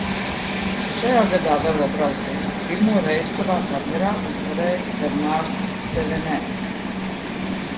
Šajā gadā velobraucienā pirmo reizi savā karjerā uzvarēja Bernārs Tevenē.